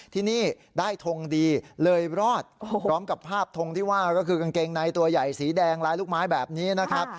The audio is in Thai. ที่นี่ได้ทงดีเลยรอดพร้อมกับภาพทงที่ว่าก็คือกางเกงในตัวใหญ่สีแดงลายลูกไม้แบบนี้นะครับ